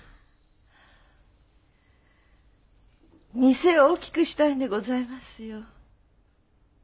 店を大きくしたいんでございますよ。